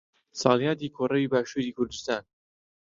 ساڵیادی کۆڕەوی باشووری کوردستان